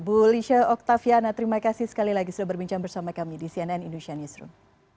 bu lisha oktaviana terima kasih sekali lagi sudah berbincang bersama kami di cnn indonesia newsroom